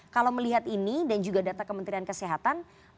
kalau melihat ini dan juga data kementerian kesehatan